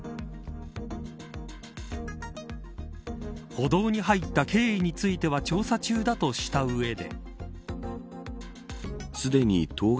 歩道に入った経緯については調査中だとした上で。